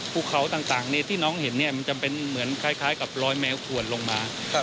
ภูเขาต่างที่น้องเห็นเนี่ยมันจะเป็นเหมือนคล้ายกับรอยแมวขวดลงมา